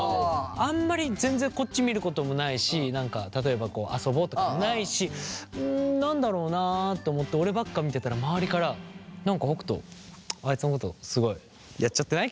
あんまり全然こっち見ることもないし何か例えば遊ぼうとかもないしん何だろうなと思って俺ばっか見てたら周りから「何か北斗あいつのことすごいやっちゃってない？」